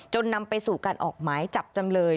นำไปสู่การออกหมายจับจำเลย